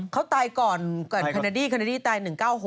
เข้าตายก่อกันเคนดี้ที่ตาย๑๙๖๓